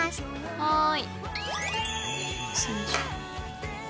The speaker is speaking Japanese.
はい。